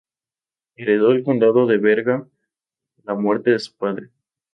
Heredó el condado de Berga a la muerte de su padre.